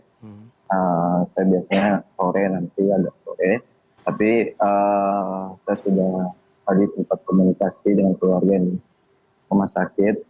saya biasanya sore nanti tapi saya sudah tadi sempat komunikasi dengan keluarga rumah sakit